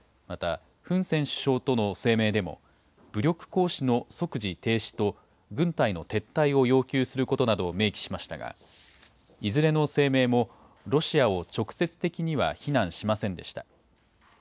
また、フン・セン首相との声明でも、武力行使の即時停止と、軍隊の撤退を要求することなどを明記しましたが、いずれの声明も、ロシアを直接的には非難しませんでした。